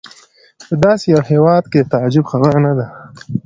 په داسې یو هېواد کې د تعجب خبره نه ده.